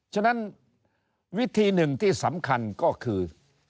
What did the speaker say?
ฉะนั้นวิธีหนึ่งที่สำคัญก็คือ